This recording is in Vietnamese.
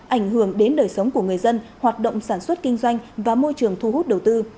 ảnh hưởng đến đời sống của người dân hoạt động sản xuất kinh doanh và môi trường thu hút đầu tư